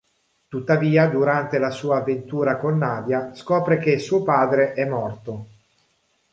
Tuttavia, durante la sua avventura con Nadia, scopre che suo padre è morto.